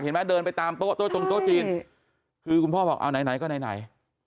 เห็นไหมเดินไปตามโต๊ะโต๊ะตรงโต๊ะจีนคือคุณพ่อบอกเอาไหนไหนก็ไหนไหน